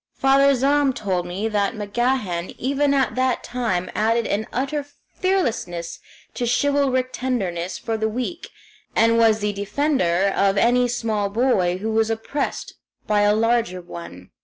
Father Zahm told me that MacGahan even at that time added an utter fearlessness to chivalric tenderness for the weak, and was the defender of any small boy who was oppressed by a larger one.